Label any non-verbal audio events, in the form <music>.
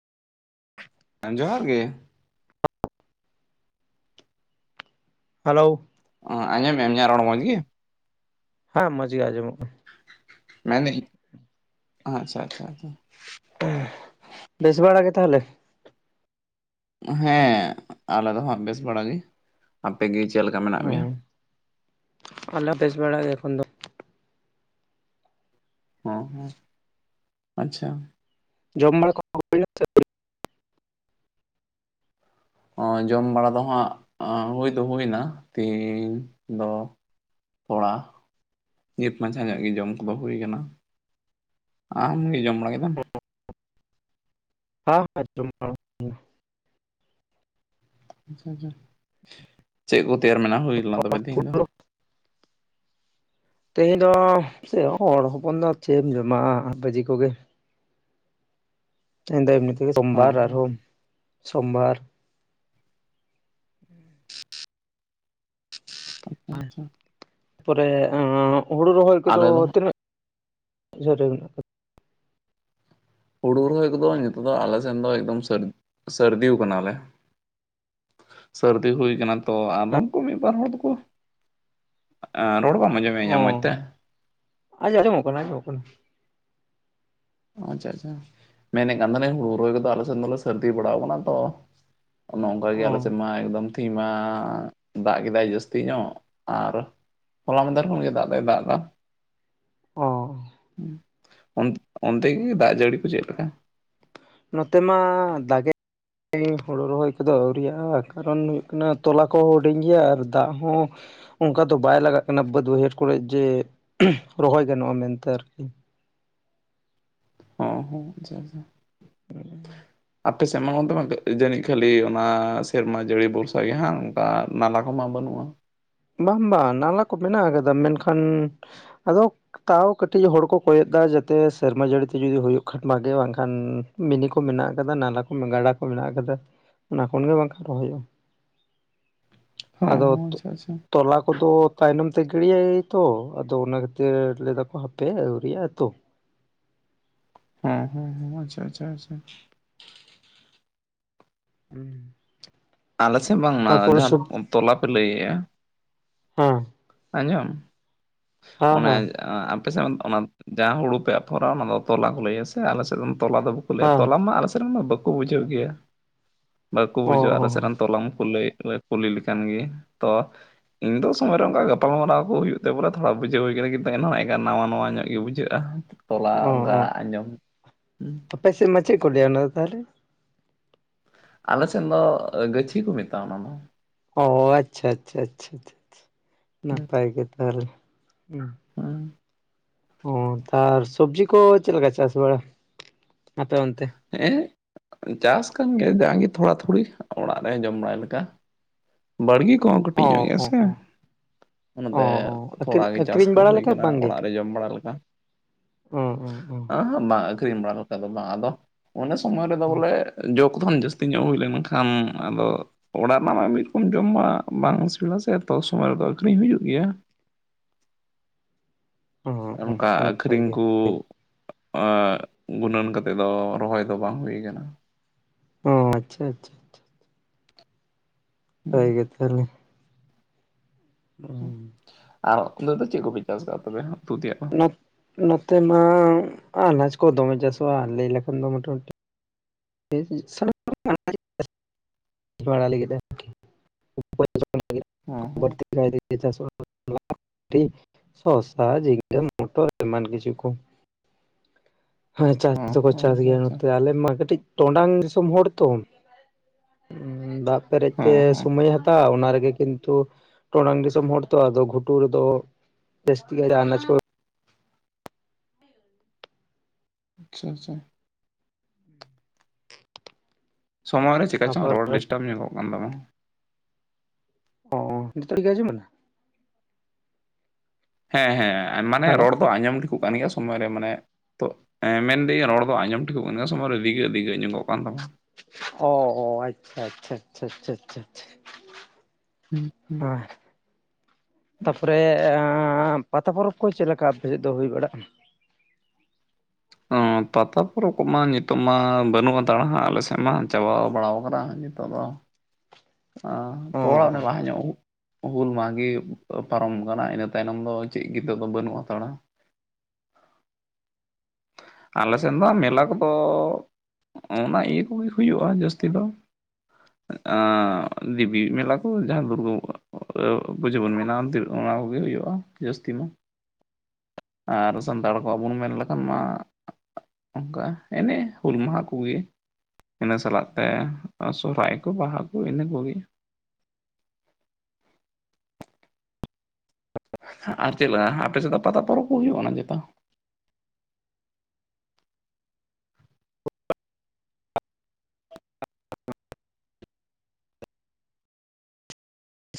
ᱦᱮᱸ, ᱡᱚᱸᱦᱟᱨ ᱜᱮ᱾ ᱦᱮᱞᱳ᱾ ᱚᱸ ᱟᱸᱡᱚᱢᱮᱜ-ᱟᱢ ᱤᱧᱟᱜ ᱨᱚᱲ ᱢᱚᱡᱽ ᱜᱮ? ᱦᱮᱸ, ᱢᱚᱸᱡᱽ ᱜᱮ ᱟᱸᱡᱚᱢᱚᱜ ᱠᱟᱱᱟ᱾ ᱢᱮᱱᱮᱜᱟᱹᱧ᱾ ᱟᱪᱪᱷᱟ ᱟᱪᱪᱷᱟ ᱟᱪᱪᱷᱟ᱾ ᱵᱮᱥ ᱵᱟᱲᱟ ᱜᱮ ᱛᱟᱦᱞᱮ? ᱦᱮᱸ, ᱟᱞᱮ ᱫᱚ ᱦᱟᱸᱜ ᱵᱮᱥ ᱵᱟᱲᱟ ᱜᱮ᱾ ᱟᱯᱮ ᱜᱮ ᱪᱮᱫ ᱞᱮᱠᱟ ᱢᱮᱱᱟᱜ ᱢᱮᱭᱟ? ᱦᱮᱸ ᱟᱞᱮ ᱦᱚ ᱵᱮᱥ ᱵᱟᱲᱟ ᱜᱮ ᱮᱠᱷᱚᱱ ᱫᱚ᱾ ᱦᱚᱸ ᱦᱚᱸ ᱟᱪᱪᱷᱟ᱾ ᱡᱚᱢ ᱵᱟᱲᱟ ᱠᱚ <unintelligible> ᱱᱟ? ᱚ ᱡᱚᱢ ᱵᱟᱲᱟ ᱫᱚ ᱦᱟᱸᱜ ᱦᱩᱭ ᱫᱚ ᱦᱩᱭᱱᱟ ᱛᱮᱦᱮᱧ ᱫᱚ ᱠᱚᱲᱟ ᱱᱤᱛ ᱢᱟᱪᱷᱟ ᱧᱚᱜ ᱜᱮ ᱡᱚᱢ ᱠᱚᱫᱚ ᱦᱩᱭ ᱠᱟᱱᱟ᱾ ᱟᱢ ᱜᱮ ᱡᱚᱢ ᱵᱟᱲᱟ ᱠᱮᱫᱟᱢ? <unintelligible> ᱟᱪᱪᱷᱟ ᱟᱪᱪᱷᱟ᱾ ᱪᱮᱫ ᱠᱚ ᱛᱮᱭᱟᱨ ᱢᱮᱱᱟᱜ-ᱟ ᱦᱳᱭ ᱞᱮᱱᱟ ᱛᱚᱵᱮ ᱛᱮᱦᱮᱧ ᱫᱚ? <inaudible> ᱛᱮᱦᱮᱧ ᱫᱚ ᱥᱮ ᱦᱚᱸᱲ ᱦᱚᱯᱚᱱ ᱫᱚ ᱪᱮᱫ ᱮᱢ ᱡᱚᱢ-ᱟ <inaudible> ᱵᱷᱟᱹᱡᱤ ᱠᱚ ᱜᱮ᱾ ᱛᱮᱦᱮᱧ ᱫᱚ ᱮᱢᱱᱤ ᱛᱮ ᱜᱮ ᱦᱚᱸ ᱥᱳᱢᱵᱟᱨ ᱦᱚᱸ ᱟᱨᱦᱚᱸ ᱥᱳᱢᱵᱟᱨ ᱟᱪᱪᱷᱟ ᱯᱚᱨᱮ ᱟᱸ ᱦᱩᱲᱩ ᱨᱚᱦᱚᱭ ᱠᱚᱫᱚ ᱟᱞᱮ ᱫᱚ ᱛᱤᱱᱟᱹᱜ ᱡᱟᱹᱨ ᱨᱮ ᱢᱮᱱᱟ ᱟᱠᱟᱫᱟ? ᱦᱩᱲᱩ ᱨᱚᱦᱚᱭ ᱠᱚᱫᱚ ᱱᱤᱛᱚᱜ ᱫᱚ ᱟᱞᱮ ᱥᱮᱱ ᱫᱚ ᱮᱠᱫᱚᱢ ᱥᱟᱹᱨ ᱥᱟᱹᱨᱫᱤᱣ ᱠᱟᱱᱟ ᱞᱮ᱾ ᱥᱟᱹᱨᱫᱤ ᱦᱩᱭ ᱠᱟᱱᱟ ᱛᱚ᱾ ᱟᱫᱚᱢ ᱟᱠᱟᱫᱟ? ᱠᱚ ᱢᱤᱫ ᱵᱟᱨ ᱦᱚᱸᱲ ᱫᱚᱠᱚ ᱮᱸ ᱨᱚᱲ ᱵᱟᱢ ᱟᱸᱡᱚᱢᱮᱜ-ᱟ ᱤᱧᱟᱹᱜ ᱢᱚᱡᱽ ᱛᱮ? ᱟᱸᱡ ᱟᱡᱚᱢ ᱟᱡᱢᱚᱜ ᱠᱟᱱᱟ ᱟᱡᱢᱚᱜ ᱠᱟᱱᱟ ᱾ ᱟᱪᱪᱷᱟ ᱟᱪᱪᱷᱟ, ᱢᱮᱱᱮᱜ ᱠᱟᱱ ᱛᱟᱦᱮᱞᱤᱧ ᱦᱩᱲᱩ ᱨᱚᱦᱚᱭ ᱠᱚᱫᱚ ᱟᱞᱮ ᱥᱮᱫ ᱫᱚᱞᱮ ᱥᱟᱹᱨᱫᱤ ᱵᱟᱲᱟᱣ ᱟᱠᱟᱱᱟ ᱛᱚ᱾ ᱚᱱᱮ ᱚᱝᱠᱟ ᱜᱮ ᱚ ᱟᱞᱮ ᱥᱮᱫ ᱢᱟ ᱮᱠᱫᱚᱢ ᱛᱤᱦᱤᱧ ᱢᱟ ᱫᱟᱜ ᱠᱮᱫᱟᱭ ᱡᱟᱹᱥᱛᱤ ᱧᱚᱜ᱾ ᱟᱨ ᱦᱚᱞᱟ ᱢᱟᱸᱫᱷᱮᱨ ᱠᱷᱚᱱ ᱜᱮ ᱫᱟᱜ ᱫᱚᱭ ᱫᱟᱜ ᱚ ᱮᱫᱟ᱾ᱚᱱ ᱚᱱᱛᱮ ᱜᱮ ᱫᱟᱜ ᱡᱟᱹᱲᱤ ᱠᱚ ᱪᱮᱫ ᱞᱮᱠᱟ? ᱱᱚᱛᱮ ᱢᱟ ᱫᱟᱜᱮᱜ <unintelligible> ᱦᱳᱲᱳ ᱨᱚᱦᱚᱭ ᱠᱚᱫᱚ ᱟᱹᱣᱨᱤᱭᱟᱜᱼᱟ, ᱠᱟᱨᱚᱱ ᱦᱩᱭᱩᱜ ᱠᱟᱱᱟ ᱛᱚᱞᱟ ᱠᱚ ᱦᱩᱰᱤᱧ ᱜᱮᱭᱟ ᱟᱨ ᱫᱟᱜ ᱦᱚᱸ ᱚᱝᱠᱟ ᱫᱚ ᱵᱟᱭ ᱞᱟᱜᱟᱜ ᱠᱟᱱᱟ ᱵᱟᱹᱫ ᱵᱟᱹᱭᱦᱟᱹᱲ ᱠᱚᱨᱮᱜ ᱡᱮ, ᱨᱚᱦᱚᱭ ᱜᱟᱱᱚᱜᱼᱟ ᱢᱮᱱᱛᱮ ᱟᱨᱠᱤ᱾ ᱚ ᱦᱚᱸ ᱟᱪᱷᱟ ᱟᱪᱷᱟ᱾ ᱦᱩᱸ᱾ ᱟᱯᱮ ᱥᱮᱫ ᱢᱟ ᱚᱱᱛᱮ ᱢᱟ <unintelligible> ᱡᱟᱹᱱᱤᱡ ᱠᱷᱟᱹᱞᱤ ᱚᱱᱟ ᱥᱮᱨᱢᱟ ᱡᱟᱹᱲᱤ ᱵᱷᱚᱨᱥᱟ ᱜᱮ ᱦᱟᱸᱜ ᱚᱱᱠᱟ ᱱᱟᱞᱟ ᱠᱚᱦᱚᱸ ᱢᱟ ᱵᱟᱹᱱᱩᱜᱼᱟ᱾ ᱵᱟᱝ ᱵᱟᱝ ᱱᱟᱞᱟ ᱠᱚ ᱢᱮᱱᱟᱜ ᱟᱠᱟᱫ-ᱟ, ᱢᱮᱱᱠᱷᱟᱱ ᱟᱫᱚ ᱛᱟᱣ ᱠᱟᱹᱴᱤᱡ ᱦᱚᱸᱲ ᱠᱚ ᱠᱚᱭᱚᱜ ᱫᱟ, ᱡᱟᱛᱮ ᱥᱮᱨᱢᱟ ᱡᱟᱹᱲᱤᱛᱮ ᱡᱩᱫᱤ ᱦᱩᱭᱩᱜ ᱠᱷᱟᱱ ᱵᱷᱟᱜᱮ, ᱵᱟᱝᱠᱷᱟᱱ ᱵᱤᱱᱤ ᱠᱚ ᱢᱮᱱᱟᱜ ᱟᱠᱟᱫᱟ, ᱱᱟᱞᱟ ᱠᱚ, ᱜᱟᱰᱟ ᱠᱚ ᱢᱮᱱᱟᱜ ᱟᱠᱟᱫᱟ ᱚᱱᱟ ᱠᱷᱚᱱ ᱜᱮ ᱵᱟᱝᱠᱷᱟᱱ ᱨᱚᱦᱚᱭᱚᱜᱼᱟ᱾ ᱦᱚᱸ ᱟᱫᱚ ᱦᱚᱸ <unintelligible> ᱟᱪᱪᱷᱟ ᱟᱪᱪᱷᱟ ᱛᱚᱞᱟ ᱠᱚᱫᱚ ᱛᱟᱭᱱᱚᱢ ᱛᱮ ᱜᱤᱲᱤᱭᱟᱭ ᱛᱚ, ᱟᱫᱚ ᱚᱱᱟ ᱠᱷᱟᱹᱛᱤᱨ ᱞᱟᱹᱭ ᱫᱟᱠᱚ ᱦᱟᱯᱮ ᱟᱹᱣᱨᱤᱭᱟᱜ-ᱟ ᱛᱚ᱾ ᱦᱚᱸ ᱦᱚᱸ ᱦᱩᱸ ᱟᱪᱪᱷᱟ ᱟᱪᱪᱷᱟ ᱟᱪᱪᱷᱟ᱾ ᱩᱸ᱾ ᱟᱞᱮ ᱥᱮᱫ ᱵᱟᱝᱢᱟ ᱡᱟᱦᱟᱸ ᱛᱚᱞᱟ ᱯᱮ ᱞᱟᱹᱭᱮᱜ-ᱟ ᱦᱮᱸ ᱟᱸᱡᱚᱢ? ᱦᱮᱸ ᱚᱱᱮ ᱦᱮᱸ ᱮᱸ ᱟᱯᱮ ᱥᱮᱫ ᱚᱱᱟ ᱡᱟᱦᱟᱸ ᱦᱩᱲᱩ ᱯᱮ ᱟᱯᱷᱚᱨᱟ ᱚᱱᱟ ᱫᱚ ᱛᱚᱞᱟ ᱠᱚ ᱞᱟᱹᱭᱟ ᱥᱮ ᱟᱞᱮ ᱥᱮᱫ ᱫᱚ ᱛᱚᱞᱟ ᱫᱚ ᱵᱟ ᱠᱚ ᱞᱟᱹᱭᱟ ᱦᱮᱸ ᱛᱚᱞᱟ ᱢᱟ ᱟᱞᱮ ᱥᱮᱫ ᱢᱟ ᱵᱟᱠᱩ ᱵᱩᱡᱷᱟᱹᱣ ᱜᱮᱭᱟ, ᱵᱟᱠᱟ ᱚ ᱵᱩᱡᱷᱟᱹᱣᱟ ᱟᱞᱮ ᱥᱮᱫ ᱚ ᱨᱮᱱ ᱛᱚᱞᱟ ᱢᱟ᱾ ᱠᱩᱞᱤ ᱞᱮ ᱠᱩᱞᱤ ᱞᱮᱠᱷᱟᱱ ᱜᱮ, ᱛᱚ ᱤᱧ ᱫᱚ ᱥᱚᱢᱚᱭᱨᱮ ᱚᱝᱠᱟ ᱜᱟᱯᱟᱞᱢᱟᱨᱟᱣ ᱠᱚ ᱦᱩᱭᱩᱜ ᱛᱮ ᱵᱚᱞᱮ ᱛᱷᱚᱲᱟ ᱵᱩᱡᱷᱟᱹᱣ ᱦᱩᱭ ᱟᱠᱟᱱᱟ ᱠᱤᱱᱛᱩ ᱮᱱᱦᱚᱸ ᱱᱟᱜ ᱠᱷᱟᱱ ᱱᱟᱣᱟ ᱱᱟᱣᱟ ᱧᱚᱜ ᱜᱮ ᱵᱩᱡᱷᱟᱹᱜ-ᱟ᱾ <inaudible> ᱛᱚᱞᱟ ᱚ ᱚᱝᱠᱟ ᱚ ᱟᱸᱡᱚᱢ ᱟᱯᱮ ᱥᱮᱫ ᱢᱟ ᱪᱮᱫ ᱠᱚ ᱞᱟᱹᱭᱟ ᱚᱱᱟᱫᱚ ᱛᱟᱦᱚᱞᱮ? ᱟᱞᱮ ᱥᱮᱱ ᱫᱚ ᱜᱟᱹᱪᱷᱤ ᱠᱚ ᱢᱮᱛᱟᱜ-ᱟ ᱚᱱᱟ ᱫᱚ᱾ ᱚ ᱟᱪᱪᱷᱟ ᱟᱪᱪᱷᱟ ᱟᱪᱪᱷᱟ ᱪᱷᱟ ᱪᱷᱟ, ᱦᱩᱸ ᱱᱟᱯᱟᱭ ᱜᱮ ᱛᱟᱦᱚᱞᱮ ᱦᱩᱸ᱾ ᱦᱩᱸ᱾ ᱚ ᱛᱟᱨ ᱥᱚᱵᱡᱤ ᱠᱚ ᱪᱮᱫ ᱞᱮᱠᱟ ᱪᱟᱥ ᱵᱟᱲᱟ ᱟᱯᱮ ᱚᱱᱛᱮ? ᱦᱮᱸ ᱪᱟᱥ ᱠᱟᱱ ᱜᱮᱭᱟ ᱡᱟᱜᱮ ᱛᱷᱚᱲᱟ ᱛᱷᱚᱲᱤ, ᱚᱲᱟᱜ ᱨᱮ ᱡᱚᱢ ᱵᱟᱲᱟᱭ ᱞᱮᱠᱟ᱾ ᱵᱟᱲᱜᱤ ᱠᱚᱦᱚᱸ ᱠᱟᱹᱴᱤᱡ ᱚ ᱧᱚᱜ ᱜᱮᱭᱟ ᱚ ᱥᱮ᱾ ᱚ ᱚ ᱚᱱᱟᱛᱮ ᱚ ᱛᱷᱚᱲᱟ ᱟᱹᱠᱷᱨᱤᱧ ᱜᱮ ᱪᱟᱥ ᱟᱹᱠᱷᱨᱤᱧ ᱠᱚ ᱵᱟᱲᱟ ᱦᱩᱭ ᱞᱮᱠᱟ ᱟᱠᱟᱱᱟ ᱚᱲᱟᱜ ᱨᱮ ᱡᱚᱢ ᱵᱟᱲᱟ ᱞᱮᱠᱟ᱾ ᱩᱸ ᱩᱸ ᱩᱸ᱾ <unintelligible> ᱵᱟᱝ ᱟᱹᱠᱷᱨᱤᱧ ᱵᱟᱲᱟ ᱞᱮᱠᱟ ᱫᱚ ᱵᱟᱝ ᱟᱫᱚ, ᱚᱱᱮ ᱥᱚᱢᱚᱭ ᱨᱮᱫᱚ ᱵᱚᱞᱮ ᱡᱚ ᱠᱚᱫᱚ <inaudible> ᱡᱟᱹᱥ ᱛᱤ ᱧᱚᱜ ᱦᱩᱭ ᱞᱮᱱᱠᱷᱟᱱ ᱟᱫᱚ ᱚᱲᱟᱜ ᱨᱮᱱᱟᱜ ᱢᱟ ᱢᱤᱫ ᱨᱚᱠᱚᱢ ᱡᱚᱢ ᱢᱟ ᱵᱟᱝ ᱥᱤᱵᱤᱞᱟ ᱥᱮ, ᱛᱚ ᱥᱚᱢᱚᱭ ᱨᱮᱫᱚ ᱟᱹᱠᱷᱨᱤᱧ ᱦᱩᱭᱩᱜ ᱜᱮᱭᱟ᱾ ᱚ ᱟᱨ ᱚ ᱚᱱᱠᱟ ᱱᱟᱯᱟᱭ ᱟᱹᱠᱷᱨᱤᱧ ᱜᱮ ᱠᱩ ᱮᱸ ᱜᱩᱱᱟᱹᱱ ᱠᱟᱛᱮ ᱫᱚ ᱨᱚᱦᱚᱭ ᱫᱚ ᱵᱟᱝ ᱦᱩᱭ ᱠᱟᱱᱟ᱾ ᱚ ᱟᱪᱪᱷᱟ ᱟᱪᱪᱷᱟ᱾ ᱦᱳᱭ ᱜᱮ ᱛᱟᱦᱚᱞᱮ᱾ ᱟᱨ ᱚᱱᱛᱮ ᱫᱚ ᱪᱮᱫ ᱠᱚᱯᱮ ᱪᱟᱥᱫᱟ ᱛᱚᱵᱮ ᱦᱟᱸᱜ? ᱱᱚᱛ ᱱᱚᱛᱮ ᱢᱟ ᱟᱱᱟᱡᱽ ᱠᱚ ᱫᱚᱢᱮ ᱪᱟᱥᱚᱜ-ᱟ ᱞᱟᱹᱭ ᱞᱮᱠᱷᱟᱱ ᱫᱚ ᱢᱚᱴᱟᱢᱩᱴᱤ <inaudible> <inaudible> ᱦᱚᱸ ᱦᱚᱸ <inaudible> ᱥᱚᱥᱟ, ᱡᱷᱤᱸᱜᱟᱹ, ᱢᱚᱴᱚᱨ ᱮᱢᱟᱱ ᱠᱤᱪᱷᱩ ᱠᱚ᱾ ᱦᱳᱭ ᱪᱟᱥ ᱦᱚᱸ ᱫᱚᱠᱚ ᱦᱚᱸ ᱪᱟᱥ ᱟᱪᱪᱷᱟ ᱜᱮᱭᱟ ᱟᱪᱪᱷᱟ ᱱᱚᱛᱮ ᱟᱞᱮ ᱢᱟ ᱠᱟᱹᱴᱤᱡ ᱴᱚᱰᱟᱝ ᱫᱤᱥᱚᱢ ᱦᱚᱲ ᱛᱚ, ᱩᱸ ᱫᱟᱜ ᱯᱮᱨᱮᱡ ᱛᱮ ᱦᱚᱸ ᱦᱚᱸ ᱥᱚᱢᱚᱭ ᱦᱟ ᱛᱟᱣᱟ, ᱚᱱᱟ ᱨᱮᱜᱮ ᱠᱤᱱᱛᱩ ᱴᱚᱰᱟᱝ ᱫᱤᱥᱚᱢ ᱦᱚᱲ ᱛᱚ ᱟᱫᱚ ᱜᱷᱩᱴᱩ ᱨᱮᱫᱚ ᱡᱟᱹᱥᱛᱤ ᱜᱮ ᱟᱱᱟᱡᱽ ᱠᱚ ᱟᱪᱪᱷᱟ ᱟᱪᱪᱷᱟ᱾ ᱥᱚᱢᱚᱭ ᱨᱮ ᱪᱮᱠᱟ ᱪᱚᱝ ᱟᱵᱟᱨ ᱨᱚᱲ ᱰᱤᱥᱴᱟᱵᱽ ᱧᱚᱜᱚᱜ ᱠᱟᱱ ᱛᱟᱢᱟ? ᱚ, ᱱᱤᱛᱳᱜ ᱨᱮᱜᱮ ᱟᱸᱡᱚᱢ ᱮᱱᱟ? ᱦᱮᱸ ᱦᱮᱸ ᱢᱟᱱᱮ ᱦᱮᱞᱳ ᱨᱚᱲ ᱫᱚ ᱟᱸᱡᱚᱢ ᱴᱷᱤᱠᱩᱜ ᱠᱟᱱ ᱜᱮᱭᱟ ᱥᱚᱢᱚᱭ ᱨᱮ ᱢᱟᱱᱮ ᱛᱚ, ᱢᱮᱱᱫᱟᱹᱧ ᱨᱚᱲ ᱫᱚ ᱟᱸᱡᱚᱢ ᱴᱷᱤᱠᱚᱜ ᱠᱟᱱ ᱜᱮᱭᱟ ᱥᱚᱢᱚᱭ ᱨᱮ ᱫᱤᱜᱟᱹᱜ ᱫᱤᱜᱟᱹᱜ ᱧᱚᱜᱚᱜ ᱠᱟᱱ ᱛᱟᱢᱟ᱾ ᱚ ᱚ, ᱟᱪᱪᱷᱟ ᱟᱪᱪᱷᱟ ᱪᱷᱟ ᱪᱷᱟ ᱪᱷᱟ ᱪᱷᱟ᱾ ᱦᱮᱸ᱾ ᱛᱟᱯᱚᱨᱮ ᱮᱸᱻ ᱯᱟᱛᱟ ᱯᱚᱨᱚᱵᱽ ᱠᱚ ᱪᱮᱫᱞᱮᱠᱟ ᱟᱯᱮ ᱥᱮᱫ ᱫᱚ ᱦᱩᱭ ᱵᱟᱲᱟᱜ-ᱟ? ᱦᱚᱸ ᱯᱟᱛᱟ ᱯᱚᱨᱚᱵᱽ ᱠᱚᱢᱟ ᱱᱤᱛᱚᱜ ᱢᱟ ᱵᱟᱹᱱᱩᱜ ᱦᱟᱛᱟᱲᱟ ᱦᱟᱸᱜ ᱟᱞᱮ ᱥᱮᱫ ᱢᱟ ᱪᱟᱵᱟᱣ ᱵᱟᱲᱟᱣ ᱠᱟᱱᱟ ᱱᱤᱛᱚᱜ ᱫᱚ᱾ ᱟᱸ, ᱛᱚ ᱚ ᱚᱱᱟ ᱞᱟᱦᱟ ᱧᱚᱜ ᱦᱩᱭᱩᱜ ᱦᱩᱞ ᱢᱟᱦᱟᱜᱤ ᱯᱟᱨᱚᱢ ᱠᱟᱱᱟ, ᱤᱱᱟᱹ ᱛᱟᱭᱱᱚᱢ ᱫᱚ ᱪᱮᱫ ᱜᱮ ᱟᱫᱚ ᱵᱟᱹᱱᱩᱜ ᱦᱟᱛᱟᱲᱟ᱾ <inaudible> ᱟᱞᱮ ᱥᱮᱱ ᱫᱚ ᱢᱮᱞᱟ ᱠᱚᱫᱚ ᱚᱱᱟ ᱤᱭᱟᱹ ᱠᱚᱜᱮ ᱦᱩᱭᱩᱜ-ᱟ ᱡᱟᱹᱥᱛᱤ ᱫᱚ ᱟᱸᱻ ᱫᱤᱵᱤ ᱢᱮᱞᱟ ᱠᱚ ᱡᱟᱦᱟᱸ ᱫᱩᱨᱜᱟᱹ ᱯᱩᱡᱟᱹ ᱵᱚᱱ ᱢᱮᱱᱟ ᱚᱱᱟ ᱠᱚᱜᱮ ᱦᱩᱭᱩᱜ-ᱟ ᱡᱟᱹᱥᱛᱤ ᱢᱟ᱾ ᱟᱨ ᱥᱟᱱᱛᱟᱲ ᱠᱚᱣᱟᱜ ᱵᱚᱱ ᱢᱮᱱ ᱞᱮᱠᱷᱟᱱ ᱢᱟ ᱚᱝᱠᱟ ᱮᱱᱮ ᱦᱩᱞ ᱢᱟᱦᱟ ᱠᱩᱜᱤ᱾ ᱤᱱᱟᱹ ᱥᱟᱞᱟᱜ ᱛᱮ ᱥᱚᱨᱦᱟᱭ ᱠᱚ ᱵᱟᱦᱟ ᱠᱚ ᱤᱱᱟᱹ ᱠᱚᱜᱮ᱾ ᱟᱨ ᱪᱮᱫᱞᱮᱠᱟ? ᱟᱯᱮ ᱥᱮᱫ ᱫᱚ ᱯᱟᱛᱟ ᱯᱚᱨᱚᱵᱽ ᱠᱚ ᱦᱩᱭᱩᱜ ᱠᱟᱱᱟ ᱪᱮᱛᱟ?